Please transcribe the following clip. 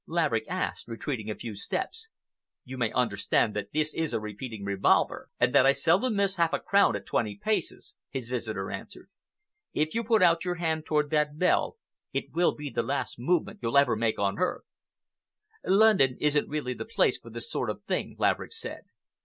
Laverick asked, retreating a few steps. "You may understand that this is a repeating revolver, and that I seldom miss a half crown at twenty paces," his visitor answered. "If you put out your hand toward that bell, it will be the last movement you'll ever make on earth." "London isn't really the place for this sort of thing," Laverick said.